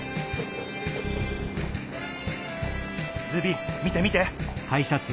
ズビ見て見て！